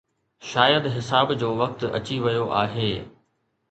شايد حساب جو وقت اچي ويو آهي.